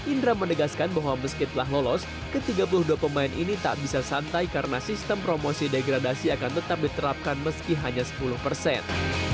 indra menegaskan bahwa meskipun telah lolos ke tiga puluh dua pemain ini tak bisa santai karena sistem promosi degradasi akan tetap diterapkan meski hanya sepuluh persen